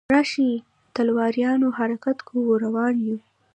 راشئ تلواریانو حرکت کوو روان یو.